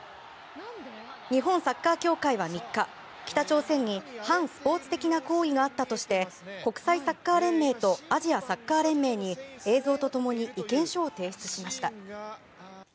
日本サッカー協会は３日北朝鮮に反スポーツ的な行為があったとして国際サッカー連盟とアジアサッカー連盟に映像と共に意見書を提出しました。